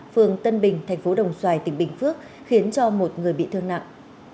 phường tân bình thành phố đồng xoài tỉnh bình phước khiến cho một người bị thương nặng